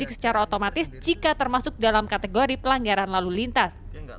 secara otomatis jika termasuk dalam kategori pelanggaran lalu lintas